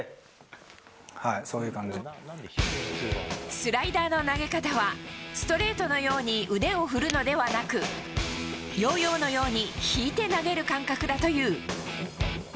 スライダーの投げ方はストレートのように腕を振るのではなくヨーヨーのように引いて投げる感覚だという。